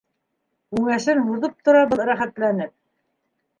Үңәсен һуҙып тора был рәхәтләнеп.